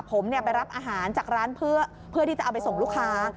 ผมไปรับอาหารจากร้านเพื่อที่จะเอาไปส่งลูกค้า